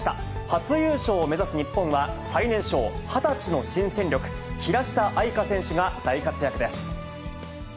初優勝を目指す日本は、最年少、２０歳の新戦力、平下愛佳選手が大活躍です。